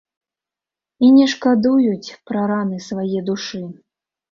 І не шкадуюць пра раны свае душы.